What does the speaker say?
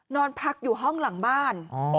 นอนพักอยู่ห้องหลังบ้าน